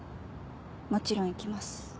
もちろん行きます。